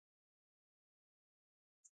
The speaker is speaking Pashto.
زيات وزن يواځې د انسان جسماني ساخت نۀ خرابوي